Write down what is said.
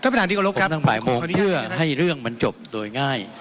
ผมนั่งบ่ายโมงเพื่อให้เรื่องมันจบโดยง่าย